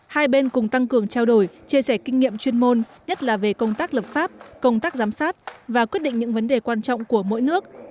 hai bên cùng tăng cường trao đổi chia sẻ kinh nghiệm chuyên môn nhất là về công tác lập pháp công tác giám sát và quyết định những vấn đề quan trọng của mỗi nước